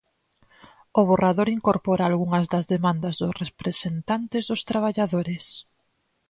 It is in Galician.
O borrador incorpora algunhas das demandas dos representantes dos traballadores.